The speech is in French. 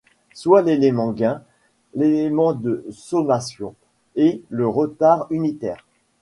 Soit l'élément gain, l'élément de sommation et le retard unitaire.